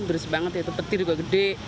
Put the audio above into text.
deras banget ya petir juga gede